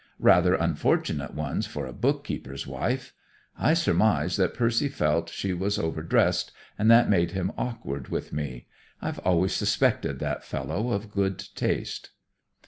"Rather unfortunate ones for a bookkeeper's wife. I surmise that Percy felt she was overdressed, and that made him awkward with me. I've always suspected that fellow of good taste."